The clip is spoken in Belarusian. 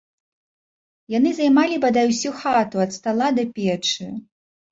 Яны займалі бадай усю хату ад стала да печы.